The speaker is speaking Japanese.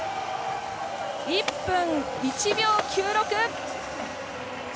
１分１秒９６！